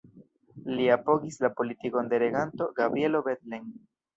Li apogis la politikon de reganto Gabrielo Bethlen.